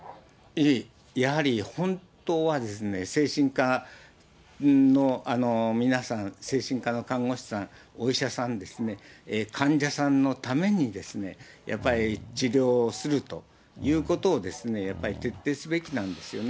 やはり本当はですね、精神科の皆さん、精神科の看護師さん、お医者さんですね、患者さんのためにですね、やっぱり治療をするということを、やっぱり徹底すべきなんですよね。